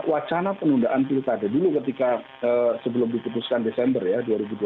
wacana penundaan pilkada dulu ketika sebelum diputuskan desember ya dua ribu dua puluh